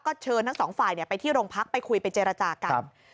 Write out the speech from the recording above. เชิญทั้งสองฝ่ายไปที่โรงพักไปคุยไปเจรจากัน